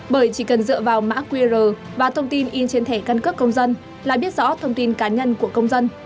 bởi chỉ cần dựa vào mã qr và thông tin in trên thẻ căn cước công dân là biết rõ thông tin cá nhân của công dân